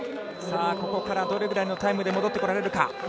ここからどれぐらいのタイムで戻ってこれるか。